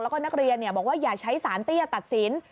แล้วก็นักเรียนบอกว่าอย่าใช้สารเตี้ยตัดสิน